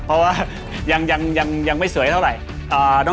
เพราะว่ายังไม่สวยเท่าไหร่